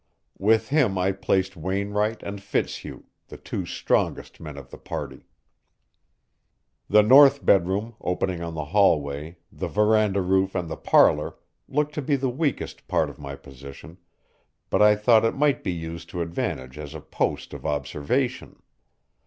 With him I placed Wainwright and Fitzhugh, the two strongest men of the party. The north bedroom, opening on the hallway, the veranda roof and the parlor, looked to be the weakest part of my position, but I thought it might be used to advantage as a post of observation.